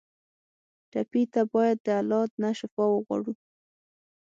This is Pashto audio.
ټپي ته باید د الله نه شفا وغواړو.